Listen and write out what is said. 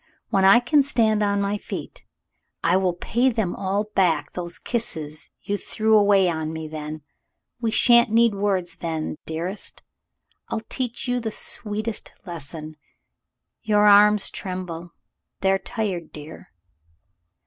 When I can stand on my feet, I will pay them all back — those kisses you threw away on me then. We shan't need w^ords then, dearest. I'll teach you the sweet lesson. Your arms tremble; they are tired, dear.